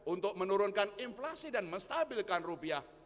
untuk menurunkan inflasi dan menstabilkan rupiah